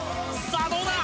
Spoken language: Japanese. さあどうだ？